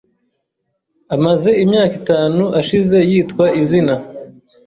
Amaze imyaka itanu ashize yitwa izina.